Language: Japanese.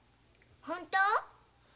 本当？